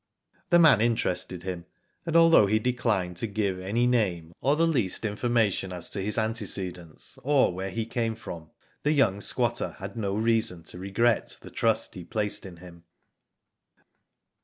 The man interested him, and although he de clined to give any name, or the least information asi to his antecedents, or where he came from, the young squatter had no reason to regret the trust he placed in him.